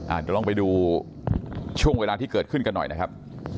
เดี๋ยวลองไปดูช่วงเวลาที่เกิดขึ้นกันหน่อยนะครับ